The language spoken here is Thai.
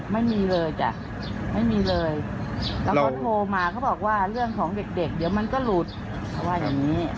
ไม่มีเลยจ้ะไม่มีเลยแล้วเขาโทรมาเขาบอกว่าเรื่องของเด็กเดี๋ยวมันก็หลุดเขาว่าอย่างนี้